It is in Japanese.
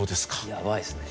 やばいですね。